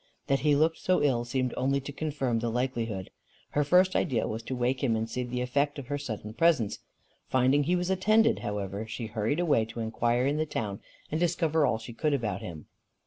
That he looked so ill seemed only to confirm the likelihood. Her first idea was to wake him and see the effect of her sudden presence. Finding he was attended, however, she hurried away to inquire in the town and discover all she could about him.